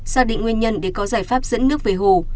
xác định nguyên nhân để có giải pháp dẫn nước về hồ